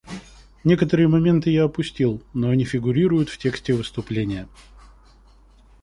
Некоторые моменты я опустил, но они фигурируют в тексте выступления.